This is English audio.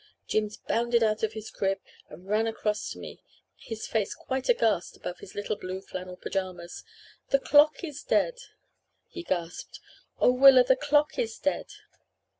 Jims bounded out of his crib and ran across to me, his face quite aghast above his little blue flannel pyjamas. 'The clock is dead,' he gasped, 'oh Willa, the clock is dead.'